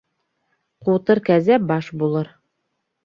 Ҡутыр кәзә баш булыр.